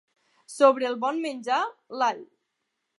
Sobre el bon menjar, l'all.